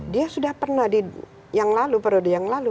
dia sudah pernah di periode yang lalu